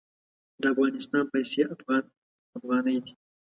د افغانستان پیسې افغان افغاني دي.